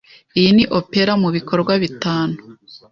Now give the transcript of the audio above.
Iyi ni opera mubikorwa bitanu.